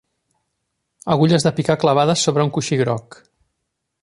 Agulles de picar clavades sobre un coixí groc